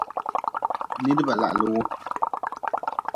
Nidba lahli wu.